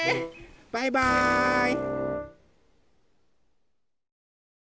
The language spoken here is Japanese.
バイバーイ！